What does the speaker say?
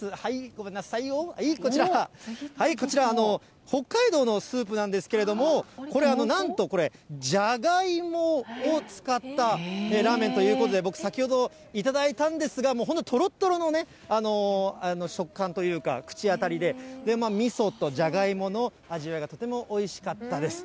ごめんなさいよ、こちら、こちらは、北海道のスープなんですけれども、これ、なんとこれ、ジャガイモを使ったラーメンということで、僕先ほど、頂いたんですが、もう本当、とろとろのね、食感というか、口当たりで、みそとジャガイモの味わいがとてもおいしかったです。